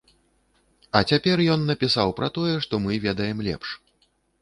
А цяпер ён напісаў пра тое, што мы ведаем лепш.